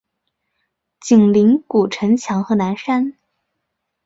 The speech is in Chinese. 紧邻古城墙和南山。